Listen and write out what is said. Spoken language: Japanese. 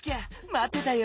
まってたよ。